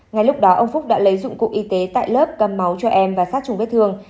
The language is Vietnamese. ngay lúc đó ông phúc đã lấy dụng cụ y tế tại lớp cầm máu cho em và sát trùng vết thương